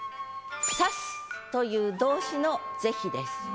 「刺す」という動詞の是非です。